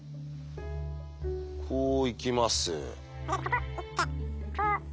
こう行きます。